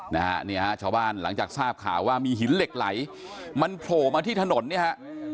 นะฮะเนี่ยฮะชาวบ้านหลังจากทราบข่าวว่ามีหินเหล็กไหลมันโผล่มาที่ถนนเนี่ยฮะ